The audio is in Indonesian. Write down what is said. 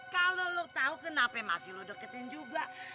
kalau lu tahu kenapa masih lu deketin juga